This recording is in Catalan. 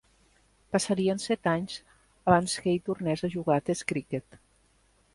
Passarien set anys abans que ell tornés a jugar a test criquet.